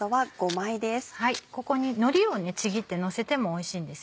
ここにのりをちぎってのせてもおいしいんですよ。